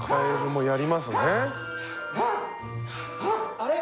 あれ？